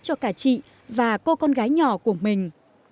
cho cả chị và cô con gái nhỏ của mình